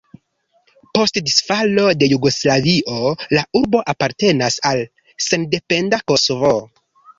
Post disfalo de Jugoslavio la urbo apartenas al sendependa Kosovo.